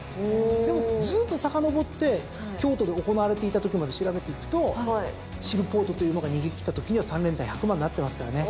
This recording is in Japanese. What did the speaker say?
でもずっとさかのぼって京都で行われていたときまで調べていくとシルポートという馬が逃げ切ったときには３連単１００万なってますからね。